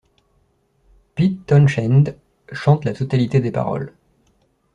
Pete Townshend chante la totalité des paroles.